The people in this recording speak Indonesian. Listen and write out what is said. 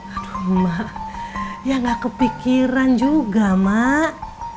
aduh mak ya gak kepikiran juga mak